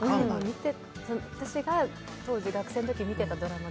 私が当時、学生のときに見てたドラマ